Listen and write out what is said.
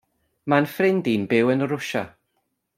Mae'n ffrind i'n byw yn Rwsia.